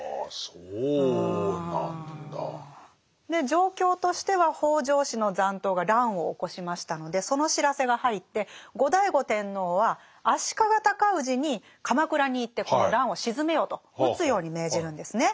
状況としては北条氏の残党が乱を起こしましたのでその知らせが入って後醍醐天皇は足利高氏に鎌倉に行ってこの乱を鎮めよと討つように命じるんですね。